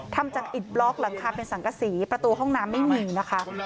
ทำจากอิดบล็อกหลังคาเป็นสังกษีประตูห้องน้ำไม่มีนะคะ